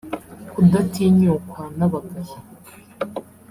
Kudatinyukwa n’abagabo